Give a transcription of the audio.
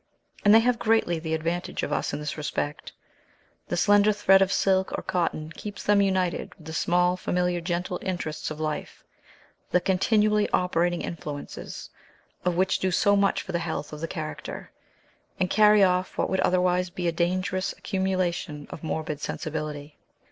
And they have greatly the advantage of us in this respect. The slender thread of silk or cotton keeps them united with the small, familiar, gentle interests of life, the continually operating influences of which do so much for the health of the character, and carry off what would otherwise be a dangerous accumulation of morbid sensibility.